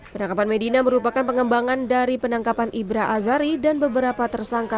penangkapan medina merupakan pengembangan dari penangkapan ibrah azari dan beberapa tersangka